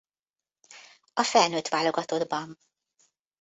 A felnőtt válogatottban.